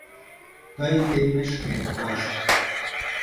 Тый теммешкет коч.